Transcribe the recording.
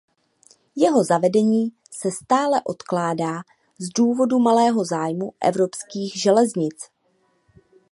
Jeho zavedení se stále odkládá z důvodu malého zájmu evropských železnic.